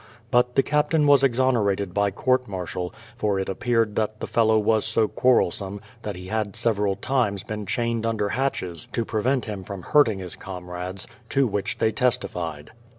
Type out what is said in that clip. But the captain was exonerated by court martial, for it appeared that the fellow was so quarrelsome that he had several times been chained under hatches to prevent him from hurting his comrades, to which they testified.